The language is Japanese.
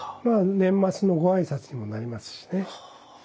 年末のご挨拶にもなりますしね。